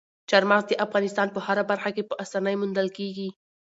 چار مغز د افغانستان په هره برخه کې په اسانۍ موندل کېږي.